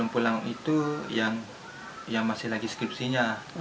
pulang itu yang masih lagi skripsinya